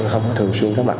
hành sĩ anh bảo